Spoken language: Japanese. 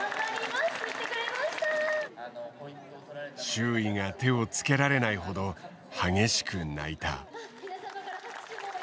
周囲が手をつけられないほど激しく泣いた。